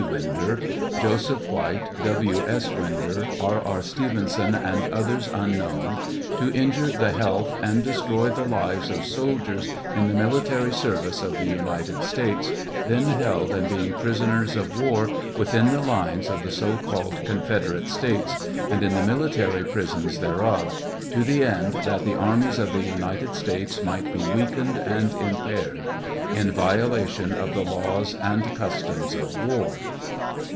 Winder, Joseph White, W. S. Winder, R. R. Stevenson, and others unknown, to injure the health and destroy the lives of soldiers in the military service of the United States, then held and being pris oners of war within the lines of the so called Confederate States and in the mil itary prisons thereof, to the end that the armies of the United States might be weakened and impaired ; in violation of the laws and customs of war.